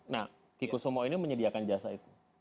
nah kikusumo ini menyediakan jasa itu